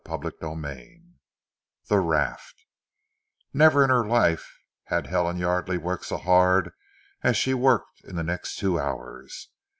CHAPTER XII THE RAFT Never in her life had Helen Yardely worked so hard as she worked in the next two hours.